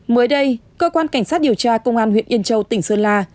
mới đây cơ quan cảnh sát điều tra công an huyện yên châu tỉnh sơn la